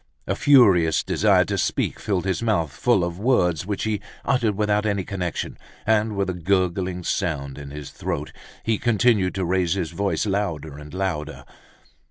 A furious desire to speak filled his mouth full of words which he uttered without any connection, and with a gurgling sound in his throat. He continued to raise his voice, louder and louder.